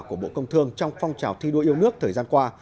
của bộ công thương trong phong trào thi đua yêu nước thời gian qua